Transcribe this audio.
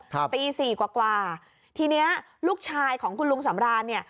ครับตี๔กว่าทีนี้ลูกชายของคุณลุงสำราน